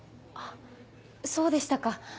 あっそうでしたか。